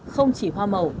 không chỉ hoa màu